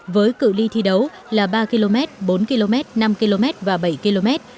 với cự li thi đấu là ba km bốn km năm km và bảy km